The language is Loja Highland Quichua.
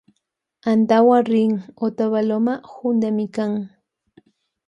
Antawu rin otavaloma juntamikan.